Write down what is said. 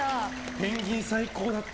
ペンギン最高だった。